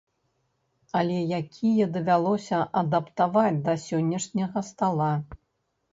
Але якія давялося адаптаваць да сённяшняга стала.